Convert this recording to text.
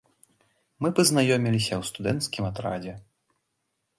Мы пазнаёміліся ў студэнцкім атрадзе.